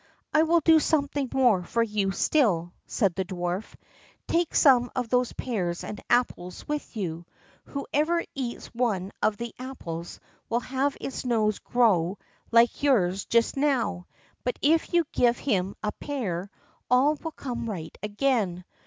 "I will do something more for you, still," said the dwarf: "take some of those pears and apples with you; whoever eats one of the apples will have his nose grow like yours just now; but if you give him a pear, all will come right again.